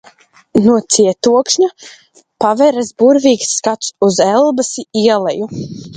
No cietokšņa paveras burvīgs skats uz Elbas ieleju.